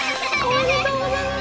おめでとうございます！